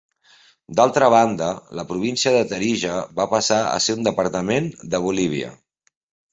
D'altra banda, la província de Tarija va passar a ser un departament de Bolívia.